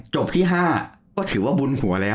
ที่๕ก็ถือว่าบุญหัวแล้ว